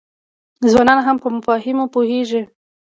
ځوانان هم په مفاهیمو پوهیږي.